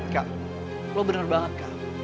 kak lo bener banget kak